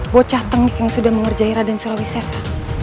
bocah tengik yang sudah mengerjai raden sulawesi hesa